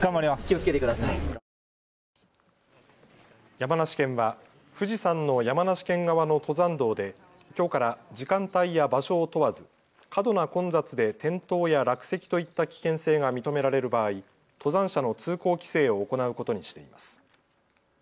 山梨県は富士山の山梨県側の登山道できょうから時間帯や場所を問わず過度な混雑で転倒や落石といった危険性が認められる場合、登山者の通行規制を行うことにしています。